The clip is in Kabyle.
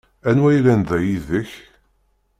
Anwa yellan da yid-k?